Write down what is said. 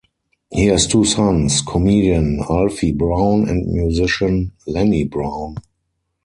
He has two sons, comedian Alfie Brown and musician Lenny Brown.